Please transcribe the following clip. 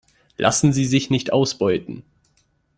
Lassen Sie sich nicht ausbeuten!